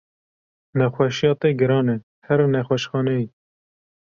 Nexweşiya te giran e here nexweşxaneyê.